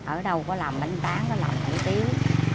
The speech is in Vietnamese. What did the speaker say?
ở đâu có làm bánh tán có làm bánh tiếu